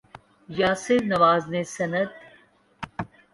یاسر نواز نے سند